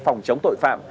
phòng chống tội phạm